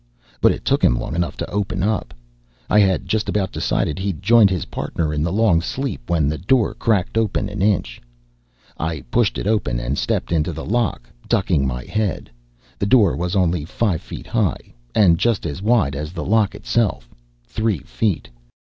But it took him long enough to open up. I had just about decided he'd joined his partner in the long sleep when the door cracked open an inch. I pushed it open and stepped into the lock, ducking my head. The door was only five feet high, and just as wide as the lock itself, three feet.